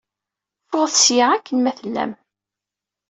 Ffɣet seg-a! Akken ma tellam!